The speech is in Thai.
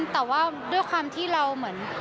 แต่ว่าด้วยความที่เราเหมือน